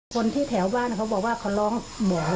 คนที่แถวบ้านเขาบอกว่าเขาร้องหมอ